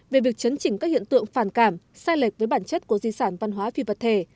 về việc chấn chỉnh các hiện tượng phản cảm sai lệch với bản chất của di sản văn hóa phi vật thể